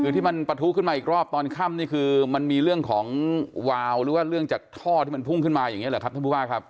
คือที่มันปะทุขึ้นมาอีกรอบตอนค่ำนี่คือมันมีเรื่องของวาวหรือว่าเรื่องจากท่อที่มันพุ่งขึ้นมาอย่างนี้เหรอครับท่านผู้ว่าครับ